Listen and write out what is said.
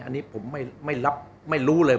อันนี้ผมไม่รู้เลย